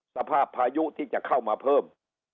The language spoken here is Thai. พายุที่จะเข้ามาเพิ่ม